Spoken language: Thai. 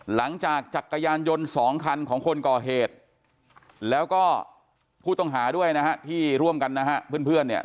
จักรยานยนต์สองคันของคนก่อเหตุแล้วก็ผู้ต้องหาด้วยนะฮะที่ร่วมกันนะฮะเพื่อนเนี่ย